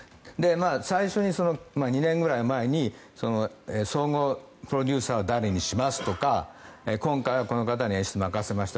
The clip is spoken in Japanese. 最初に、２年ぐらい前に総合プロデューサーを誰にしますとか今回はこの方に演出を任せました